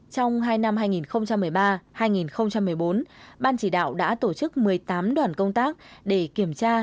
trong hai năm hai nghìn một mươi ba hai nghìn một mươi bốn ban chỉ đạo đã tổ chức một mươi tám đoàn công tác để kiểm tra